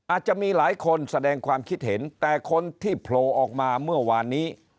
อาจจะมีหลายคนแสดงความคิดเห็นแต่คนที่โผล่ออกมาเมื่อวานนี้